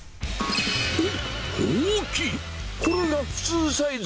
おっ、大きい！